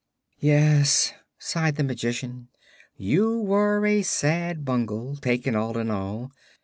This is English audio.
'" "Yes," sighed the Magician; "you were a sad bungle, taken all in all.